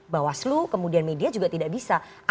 bawah selu kemudian media juga tidak bisa